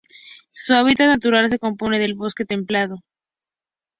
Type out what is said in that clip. Su hábitat natural se compone de bosque templado.